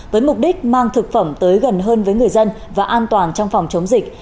với mục đích mang thực phẩm tới gần hơn với người dân và an toàn trong phòng chống dịch